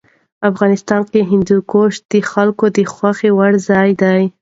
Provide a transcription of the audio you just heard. افغانستان کې هندوکش د خلکو د خوښې وړ ځای دی.